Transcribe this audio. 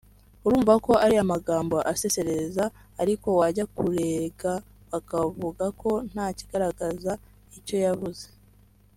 urumva ko ari amagambo asesereza ariko wajya kurega bakavuga ko ntakigaragaza icyo yavuze